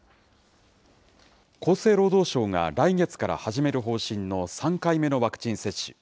厚生労働省が来月から始める方針の３回目のワクチン接種。